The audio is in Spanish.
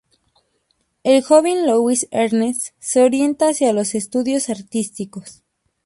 El joven Louis-Ernest se orienta hacia los estudios artísticos.